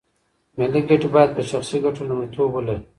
ملي ګټې باید په شخصي ګټو لومړیتوب ولري.